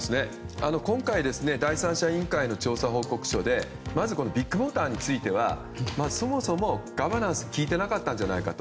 今回第三者委員会の調査報告書でまずビッグモーターについてはそもそもガバナンスがきいていなかったんじゃないかと。